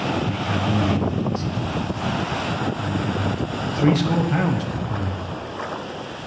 "Nick had money," he said. "He may have had three score pounds put by.